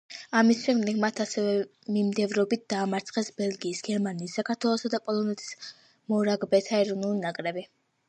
ამის შემდეგ მათ ასევე მიმდევრობით დაამარცხეს ბელგიის, გერმანიის, საქართველოს და პოლონეთის მორაგბეთა ეროვნული ნაკრებები.